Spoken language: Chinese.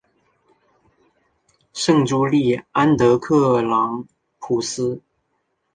圣朱利安德克朗普斯。